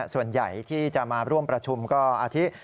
ส่วนใหญ่ที่จะมาร่วมประชุมก็อาทิตย